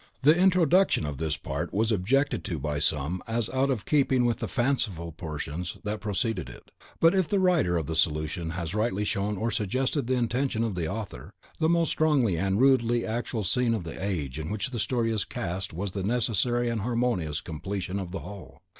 The introduction of this part was objected to by some as out of keeping with the fanciful portions that preceded it. But if the writer of the solution has rightly shown or suggested the intention of the author, the most strongly and rudely actual scene of the age in which the story is cast was the necessary and harmonious completion of the whole.